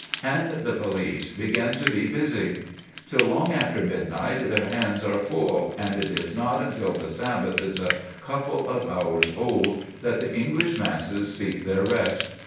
and the police begin to be busy. Till long after midnight their hands are full, and it is not until the Sabbath is a couple of hours old that the English masses seek their rest.